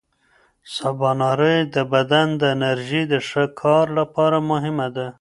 سباناري د بدن د انرژۍ د ښه کار لپاره مهمه ده.